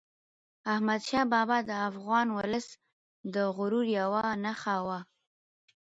احمدشاه بابا د افغان ولس د غرور یوه نښه وه.